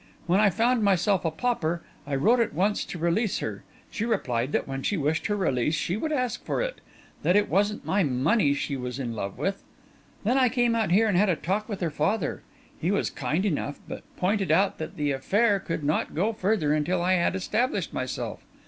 When I found myself a pauper, I wrote at once to release her. She replied that when she wished her release, she would ask for it; that it wasn't my money she was in love with. Then I came out here and had a talk with her father. He was kind enough, but pointed out that the affair could not go further until I had established myself.